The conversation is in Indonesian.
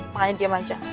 makanya diem aja